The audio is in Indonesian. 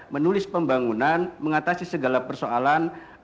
menulis pembangunan mengatasi segala persoalan